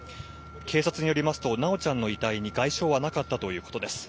警察によりますと修ちゃんの遺体に外傷はなかったということです。